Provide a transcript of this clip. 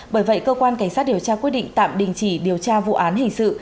bởi vậy cơ quan cảnh sát điều tra quyết định tạm đình chỉ điều tra vụ án hình sự